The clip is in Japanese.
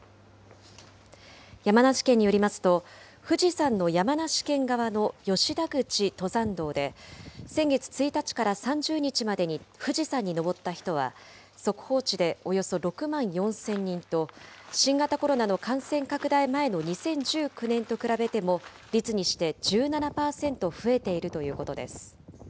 山梨県によりますと、富士山の山梨県側の吉田口登山道で、先月１日から３０日までに富士山に登った人は、速報値でおよそ６万４０００人と、新型コロナの感染拡大前の２０１９年と比べても、率にして１７％増えているということです。